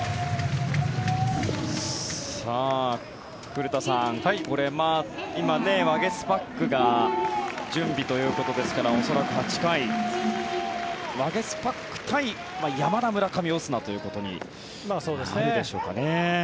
古田さん、今、ワゲスパックが準備ということですから恐らく８回ワゲスパック対山田、村上、オスナということになるでしょうかね。